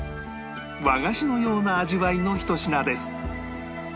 和菓子のような味わいのひと品です